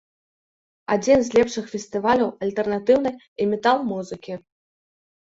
Адзін з лепшых фестываляў альтэрнатыўнай і метал-музыкі.